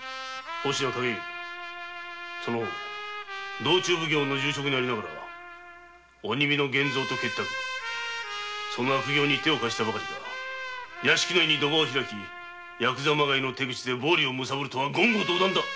保科勘解由道中奉行の重職にありながら鬼火の源蔵と結託その悪行に手を貸したばかりか屋敷内にトバを開きヤクザまがいの手口で暴利をむさぼるとは言語道断！